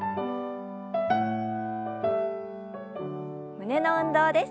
胸の運動です。